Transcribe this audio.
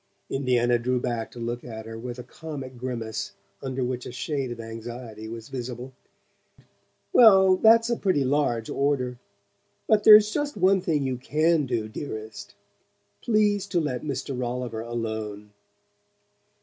Indiana drew back to look at her with a comic grimace under which a shade of anxiety was visible. "Well, that's a pretty large order. But there's just one thing you CAN do, dearest: please to let Mr. Rolliver alone!"